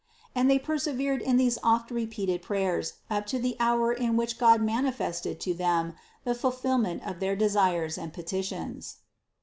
And they perse vered in these oft repeated prayers up to the hour in which God manifested to them the fulfillment of their desires and petitions.